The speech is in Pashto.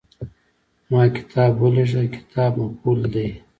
ما کتاب ولېږه – "کتاب" مفعول دی.